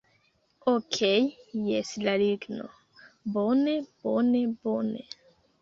Okej jes la ligno... bone, bone, bone